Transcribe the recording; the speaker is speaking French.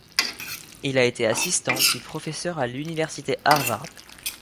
Il a été assistant puis professeur à l'université Harvard.